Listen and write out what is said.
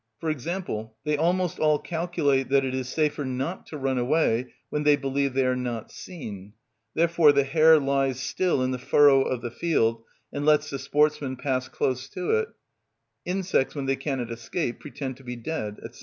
For example, they almost all calculate that it is safer not to run away when they believe they are not seen; therefore the hare lies still in the furrow of the field and lets the sportsman pass close to it; insects, when they cannot escape, pretend to be dead, &c.